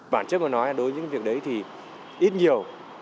bản chất mà nói đối với những việc đấy thì ít nhiều